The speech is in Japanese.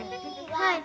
「はい。